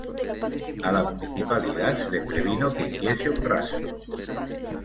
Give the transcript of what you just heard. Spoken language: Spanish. A la municipalidad se le previno que hiciese un rastro.